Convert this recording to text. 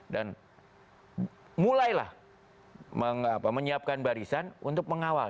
dan mulailah menyiapkan barisan untuk mengawal